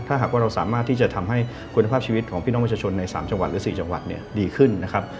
ถ้าหากว่าเราสามารถที่จะทำให้คุณภาพชีวิตของพี่น้องประชาชนใน๓จังหวัดหรือ๔จังหวัดเนี่ยดีขึ้นนะครับ